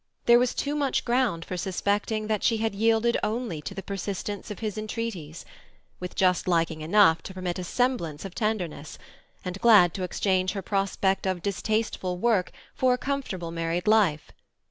There was too much ground for suspecting that she had only yielded to the persistence of his entreaties, with just liking enough to permit a semblance of tenderness, and glad to exchange her prospect of distasteful work for a comfortable married life.